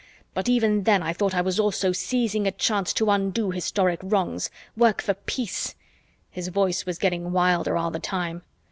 But even then I thought I was also seizing a chance to undo historic wrongs, work for peace." His voice was getting wilder all the time.